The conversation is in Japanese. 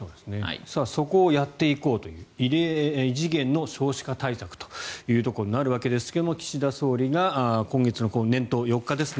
そこをやっていこうという異次元の少子化対策というところになるわけですが岸田総理が今月の年頭４日ですね